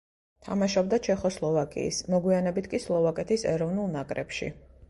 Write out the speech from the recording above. თამაშობდა ჩეხოსლოვაკიის, მოგვიანებით კი სლოვაკეთის ეროვნულ ნაკრებში.